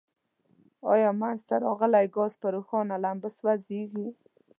آیا منځ ته راغلی ګاز په روښانه لمبه سوځیږي؟